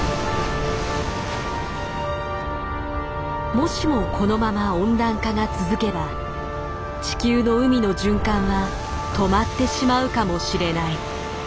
もしもこのまま温暖化が続けば地球の海の循環は止まってしまうかもしれない。